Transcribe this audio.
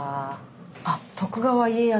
あっ徳川家康。